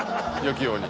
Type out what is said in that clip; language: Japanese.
きように。